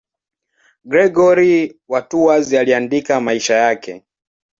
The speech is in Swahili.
Gregori wa Tours aliandika maisha yake.